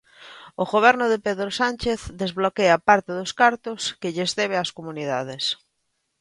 O Goberno de Pedro Sánchez desbloquea parte dos cartos que lles debe ás comunidades.